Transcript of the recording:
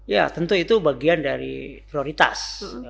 ya tentu itu bagian dari prioritas